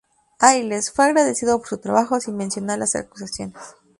Ailes fue agradecido por su trabajo, sin mencionar las acusaciones.